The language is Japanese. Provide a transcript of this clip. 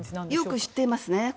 よく知ってますね。